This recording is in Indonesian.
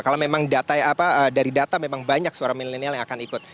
kalau memang dari data memang banyak suara milenial yang akan ikut